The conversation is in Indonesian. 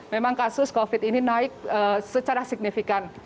memang kasus covid ini naik secara signifikan